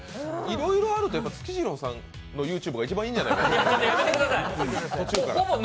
いろいろあるけど、つきじろうさんのＹｏｕＴｕｂｅが一番いんじゃないかなと。